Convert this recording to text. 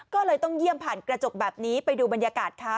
ก็เลยต้องเยี่ยมผ่านกระจกแบบนี้ไปดูบรรยากาศค่ะ